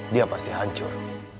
dia pasti hancur